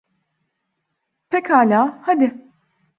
Pekala, haydi.